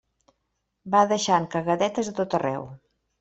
Va deixant cagadetes a tot arreu.